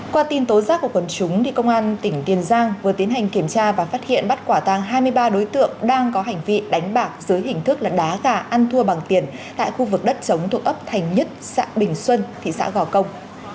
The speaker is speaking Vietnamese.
qua tin tố giác của quần chúng công an tỉnh tiền giang vừa tiến hành kiểm tra và phát hiện bắt quả tàng hai mươi ba đối tượng đang có hành vi đánh bạc dưới hình thức là đá gà ăn thua bằng tiền tại khu vực đất chống thuộc ấp thành nhất xã bình xuân thị xã gò công